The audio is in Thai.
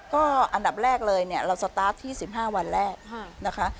ก็อันดับแรกเลยเนี่ยเราสตาร์ทที่๑๕วันแรกนะคะ